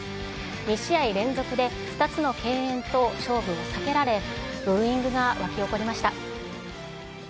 ２試合連続で２つの敬遠と勝負を避けられ、ブーイングが沸き起こりました。